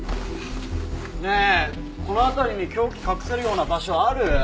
ねえこの辺りに凶器隠せるような場所ある？